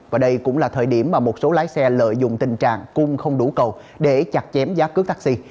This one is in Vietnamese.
và đây cũng là thời điểm mà một số lái xe lợi dụng tình trạng cung không đủ cầu để chặt chém giá cước taxi